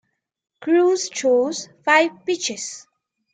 Cruz throws five pitches.